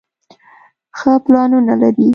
ښۀ پلانونه لري